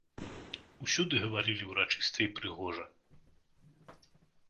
Усюды гаварылі ўрачыста і прыгожа.